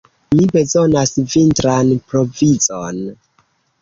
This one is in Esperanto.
Mi bezonas vintran provizon.